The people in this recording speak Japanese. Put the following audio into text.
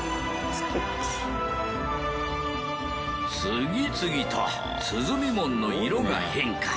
次々と鼓門の色が変化。